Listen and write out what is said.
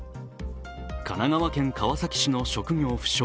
神奈川県川崎市の職業不詳